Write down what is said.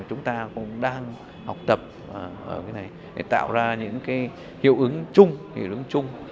chúng ta cũng đang học tập tạo ra những hiệu ứng chung